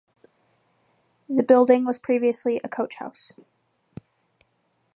The building was previously a coach-house.